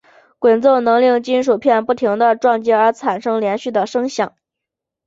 滚奏能令金属片不停地撞击而产生连续的声响。